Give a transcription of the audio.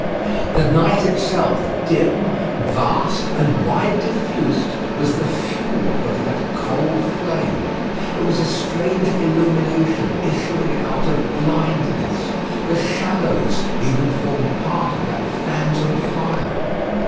The night itself, dim, vast, and wide diffused, was the fuel of that cold flame. It was a strange illumination issuing out of blindness. The shadows even formed part of that phantom fire.